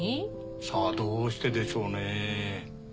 さあどうしてでしょうねぇ